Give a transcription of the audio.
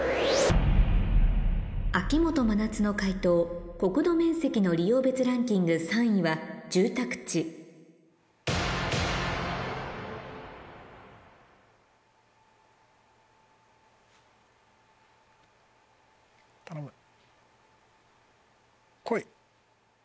秋元真夏の解答国土面積の利用別ランキング３位は「住宅地」こい！